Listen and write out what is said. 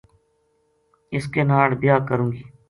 اِس کے ناڑ بیاہ کروں گی